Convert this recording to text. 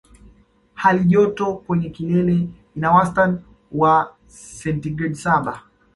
Hali joto kwenye kilele ina wastani ya sentigredi saba